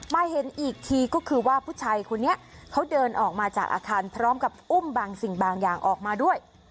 มาเห็นอีกทีก็คือว่าผู้ชายคนนี้เขาเดินออกมาจากอาคารพร้อมกับอุ้มบางสิ่งบางอย่างออกมาด้วย